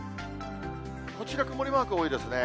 こちら曇りマーク多いですね。